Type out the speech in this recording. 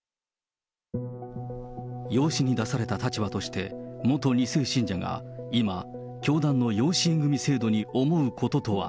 養子に出された立場として、元２世信者が今、教団の養子縁組制度に思うこととは。